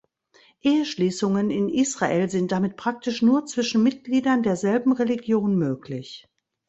Eheschließungen in Israel sind damit praktisch nur zwischen Mitgliedern derselben Religion möglich.